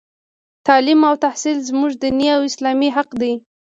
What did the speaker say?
تـعلـيم او تحـصيل زمـوږ دينـي او اسـلامي حـق دى.